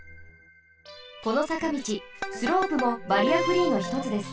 このさかみちスロープもバリアフリーのひとつです。